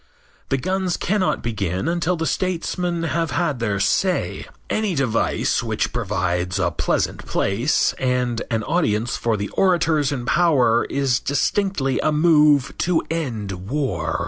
The guns cannot begin until the statesmen have had their say. Any device which provides a pleasant place and an audience for the orators in power is distinctly a move to end war.